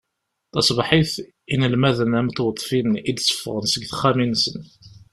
Taṣebḥit, inelmaden am tweḍfin i d-ttefɣen seg texxamin-nsen.